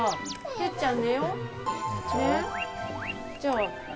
てっちゃん。